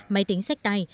máy tính sách tay